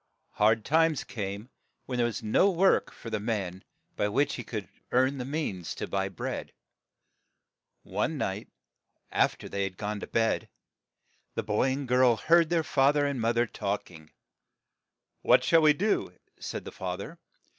Hard times came, when there was no work for the man by which he could earn the means to buy bread. One night, aft er they had gone to bed, the boy and girl heard their fa ther and moth er talk ing. "What shall we do?" said the fa ther.